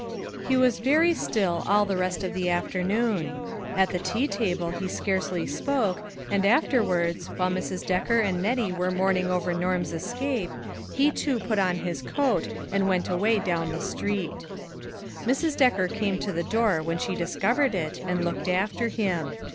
He was very still all the rest of the afternoon. At the tea table he scarcely spoke, and after wards, while Mrs. Decker and Nettie were mourning over Norm's escape, he too put oa his coat, and went away down the street. Mrs. Decker came to the door when she dis covered it, and looked after him.